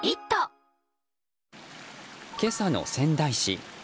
今朝の仙台市。